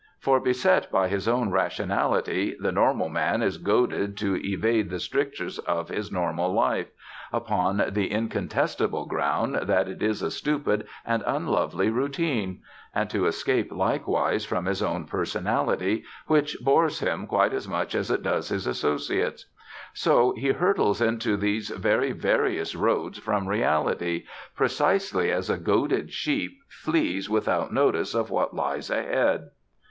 For, beset by his own rationality, the normal man is goaded to evade the strictures of his normal life, upon the incontestable ground that it is a stupid and unlovely routine; and to escape likewise from his own personality, which bores him quite as much as it does his associates. So he hurtles into these very various roads from reality, precisely as a goaded sheep flees without notice of what lies ahead....